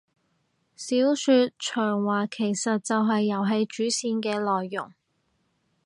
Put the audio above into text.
小說長話其實就係遊戲主線嘅內容